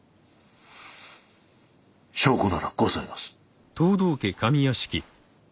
証拠ならございます。